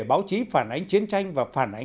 báo chí phản ánh chiến tranh và phản ánh